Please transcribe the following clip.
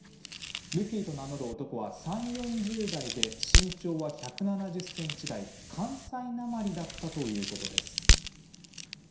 ルフィと名乗る男は３０４０代で身長は１７０ｃｍ台関西なまりだったということです。